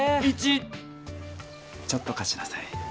イチちょっとかしなさい。